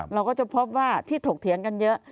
เราก็จะพบว่าที่ถกเถียงกันเยอะ